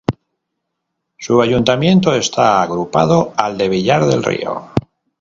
Su ayuntamiento está agrupado al de Villar del Río.